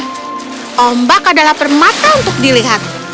tidak pak ombak adalah permata untuk dilihat